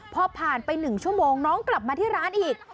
พอผ่านไป๑ชั่วโมงน้องกลับมาที่ร้านอีก